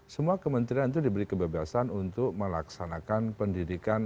semua kementerian itu diberi kebebasan untuk melaksanakan pendidikan